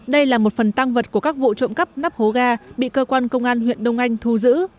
đây là một phần tăng vật của các vụ trộm cắp nắp hố ga bị cơ quan công an huyện đông anh thu giữ